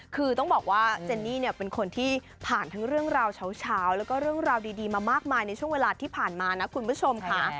คือต้องบอกว่าเจนนี่เนี่ยเป็นคนที่ผ่านทั้งเรื่องราวเช้าแล้วก็เรื่องราวดีมามากมายในช่วงเวลาที่ผ่านมานะคุณผู้ชมค่ะ